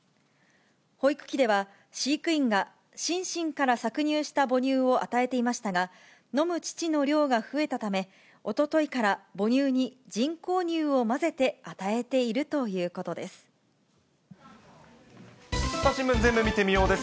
保育器では、飼育員がシンシンから搾乳した母乳を与えていましたが、飲む乳の量が増えたため、おとといから母乳に人工乳を混ぜて与えているということです。